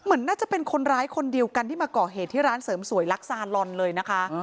เหมือนน่าจะเป็นคนร้ายคนเดียวกันที่มาก่อเหตุที่ร้านเสริมสวยลักซาลอนเลยนะคะ